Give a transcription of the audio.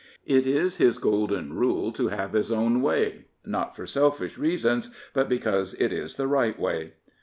It is his golden rule to have his own way, not for selfish reasons, but because it is the right way.